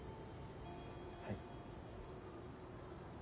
はい。